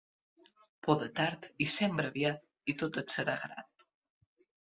Poda tard i sembra aviat, i tot et serà grat.